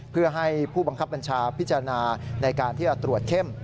เพื่อให้ผู้บังคับบัญชาพิจารณาในการที่จะตรวจเข้ม